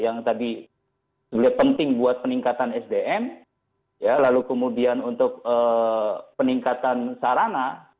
yang tadi penting buat peningkatan sdm lalu kemudian untuk peningkatan sarana